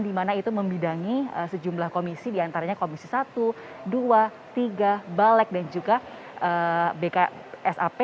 di mana itu membidangi sejumlah komisi diantaranya komisi satu dua tiga balek dan juga bksap